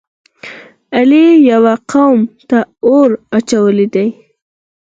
علی یوه قوم ته اور اچولی دی.